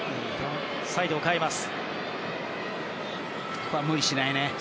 ここは無理しないね。